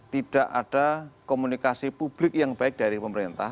tidak ada komunikasi publik yang baik dari pemerintah